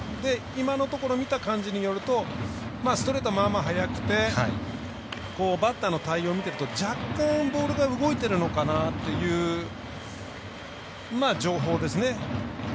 今のところ見た感じによるとストレートは、まあまあ速くてバッターの対応を見てると、若干ボールが動いてるのかなという情報ですね。